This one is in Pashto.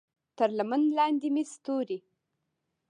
تر لمن لاندې مې ستوري